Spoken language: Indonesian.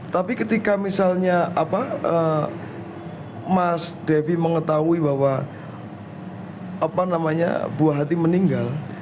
tapi ketika misalnya mas devi mengetahui bahwa buah hati meninggal